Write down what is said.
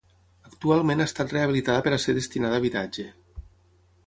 Actualment ha estat rehabilitada per ser destinada a habitatge.